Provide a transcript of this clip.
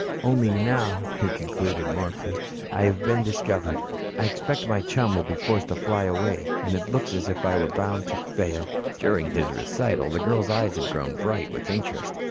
"Only now," he concluded mournfully, "I have been discovered. I expect my chum will be forced to fly away. And it looks as if I were bound to fail." During his recital, the girl's eyes had grown bright with interest.